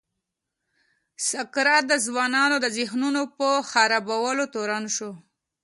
سقراط د ځوانانو د ذهنونو په خرابولو تورن شو.